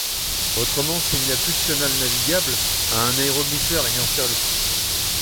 Autrement, s'il n'y a plus de chenal navigable, un aéroglisseur est mis en service.